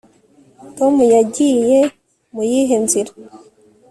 tom yagiye mu yihe nzira